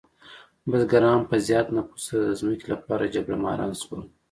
بزګران په زیات نفوس سره د ځمکې لپاره جګړهماران شول.